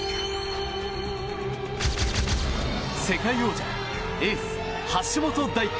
世界王者、エース橋本大輝。